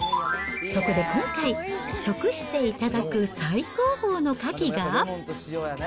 そこで今回、食していただく最高峰のカキが。